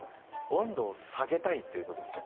温度を下げたいということですね。